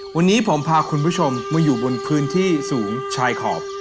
วันนี้ผมพาคุณผู้ชมมาอยู่บนพื้นที่สูงชายขอบ